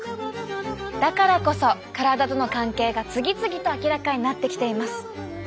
だからこそ体との関係が次々と明らかになってきています。